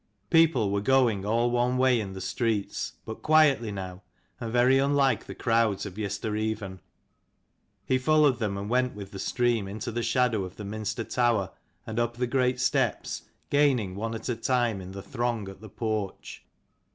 People were going all one way in the streets, but quietly now, and very unlike the crowds of yestereven. He followed them and went with the stream into the shadow of the Minster tower and up the great steps, gaining one at a time in the throng at the porch.